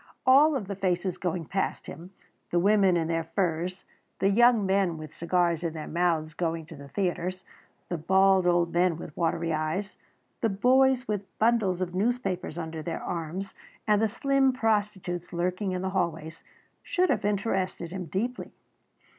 All of the faces going past him, the women in their furs, the young men with cigars in their mouths going to the theatres, the bald old men with watery eyes, the boys with bundles of newspapers under their arms, and the slim prostitutes lurking in the hallways, should have interested him deeply.